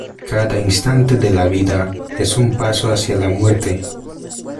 Cada instante de la vida es un paso hacia la muerte.